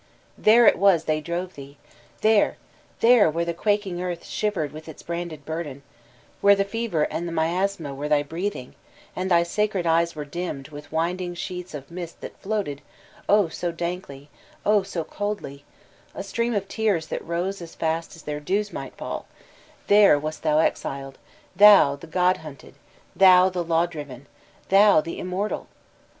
There it was they drove thee, there — ^there — ^where the quak ing earth shivered with its branded burden, where the fever and the miasm were thy breathing, and thy sacred eyes were dimmed with winding sheets of mist that floated, O so dankly, O so coldly, a steam of tears that rose as fast as their dews might fall: there wast thou exiled. Thou, the God hunted, Thou, the Law driven, Thou, the immortal